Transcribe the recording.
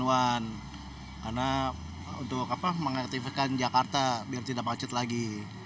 karena untuk mengaktifkan jakarta biar tidak macet lagi